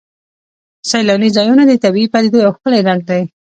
سیلاني ځایونه د طبیعي پدیدو یو ښکلی رنګ دی.